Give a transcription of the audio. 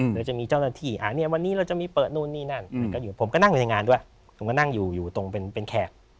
โดยจะมีเจ้าหน้าที่วันนี้เราจะมีเปิดนู่นนี่นั่นก็อยู่ผมก็นั่งอยู่ในงานด้วยผมก็นั่งอยู่อยู่ตรงเป็นแขก